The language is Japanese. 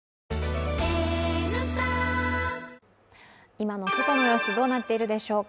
今の外の様子どうなっているでしょうか。